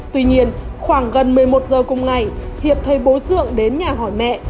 tuy nhiên khoảng gần một mươi một giờ cùng ngày hiệp thấy bố sượng đến nhà hỏi mẹ